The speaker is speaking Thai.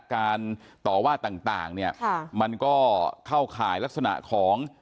การต่อว่าต่างเนี่ยมันก็เข้าข่ายลักษณะของ